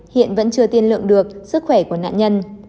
hiện vẫn chưa tiên lượng được sức khỏe của nạn nhân